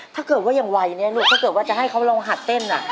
ถ้าเกิดว่ายังวัยจะให้เขาลองหัดเต้น